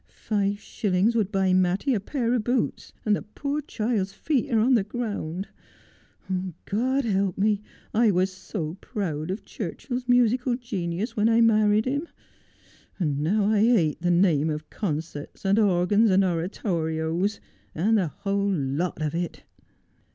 ' Five shillings would buy Mattie a pair of boots, and the poor child's feet are on the ground. God help me, I was so proud of Churchill's musical genius when I married him ; and now I hate the name of concerts, and organs, and oratorios, and the whole lot of it.'